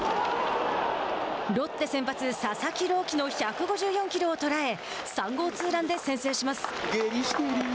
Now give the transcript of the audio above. ロッテ先発佐々木朗希の１５０キロを捉え３号ツーランで先制します。